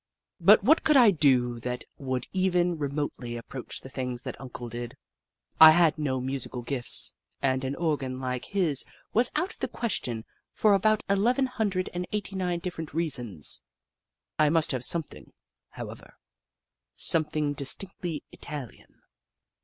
But what could I do that would even re motely approach the things that Uncle did? I had no musical gifts, and an organ like his was out of the question for about eleven hundred and eighty nine different reasons. I must have something, however ; something distinctively Italian.